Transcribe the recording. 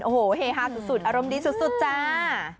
โอ้โหเฮฮาสุดอารมณ์ดีสุดจ้า